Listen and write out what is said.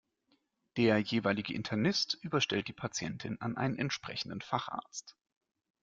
Der jeweilige Internist überstellt die Patientin an einen entsprechenden Facharzt.